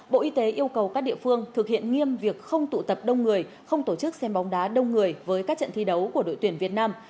bộ y tế yêu cầu các địa phương thực hiện nghiêm việc không tụ tập đông người không tổ chức xem bóng đá đông người với các trận thi đấu của đội tuyển việt nam